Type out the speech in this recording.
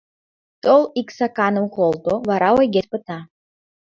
Тол, ик саканым колто, вара ойгет пыта.